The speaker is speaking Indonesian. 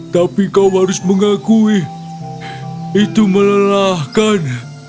tapi kau harus mengakui itu melelahkan